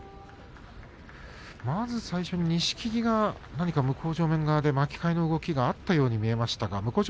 まず最初に錦木が巻き替えの動きがあったように見えましたが。